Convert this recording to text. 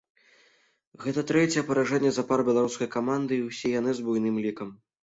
Гэта трэцяе паражэнне запар беларускай каманды і ўсе яны з буйным лікам.